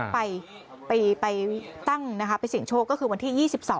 ไปตั้งนะคะไปเสี่ยงโชคก็คือวันที่๒๒